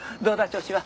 調子は。